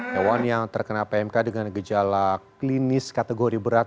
hewan yang terkena pmk dengan gejala klinis kategori berat